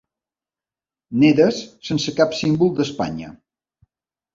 Nedes sense cap símbol d'Espanya.